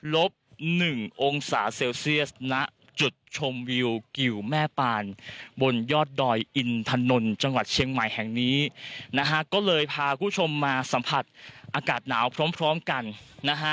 ลบ๑องศาเซลเซียสณจุดชมวิวกิวแม่ปานบนยอดดอยอินถนนจังหวัดเชียงใหม่แห่งนี้นะฮะก็เลยพาคุณผู้ชมมาสัมผัสอากาศหนาวพร้อมกันนะฮะ